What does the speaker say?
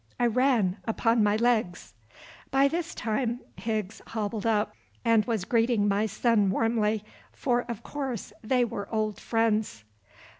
I ran upon my legs." By this time Higgs hobbled up, and was greeting my son warmly, for, of course, they were old friends.